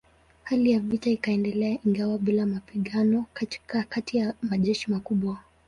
Hali ya vita ikaendelea ingawa bila mapigano kati ya majeshi makubwa.